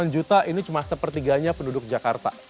delapan juta ini cuma sepertiganya penduduk jakarta